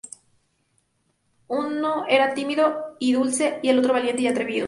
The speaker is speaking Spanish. Uno era tímido y dulce y el otro valiente y atrevido.